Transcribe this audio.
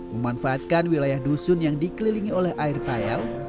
memanfaatkan wilayah dusun yang dikelilingi oleh air payau